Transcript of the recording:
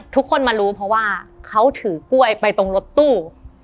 ทุกคนมารู้เพราะว่าเขาถือกล้วยไปตรงรถตู้